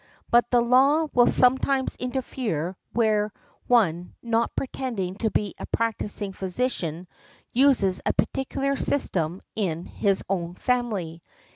But the law will sometimes interfere where one not pretending to be a practising physician uses a peculiar system in his own family.